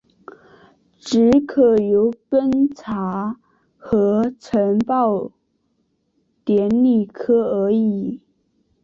只可由庚查核呈报典礼科而已。